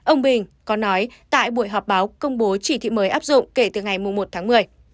ông bình có nói tại buổi họp báo công bố chỉ thị mới áp dụng kể từ ngày một tháng một mươi